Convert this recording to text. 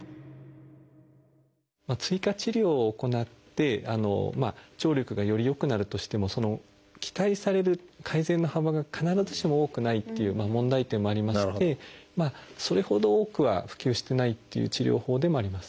追加治療を行って聴力がより良くなるとしても期待される改善の幅が必ずしも多くないっていう問題点もありましてそれほど多くは普及してないっていう治療法でもあります。